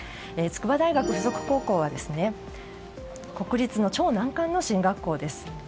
筑波大学附属高校は国立の超難関の進学校です。